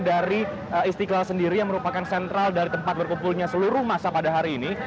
dari istiqlal sendiri yang merupakan sentral dari tempat berkumpulnya seluruh masa pada hari ini